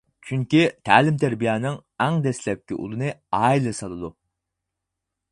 چۈنكى تەلىم-تەربىيەنىڭ ئەڭ دەسلەپكى ئۇلىنى ئائىلە سالىدۇ.